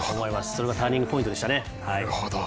それがターニングポイントでしたね。